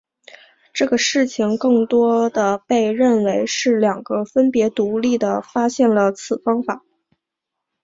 这个事情更多地被认为是两人分别独立地发现了此方法。